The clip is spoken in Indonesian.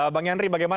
bang yandri bagaimana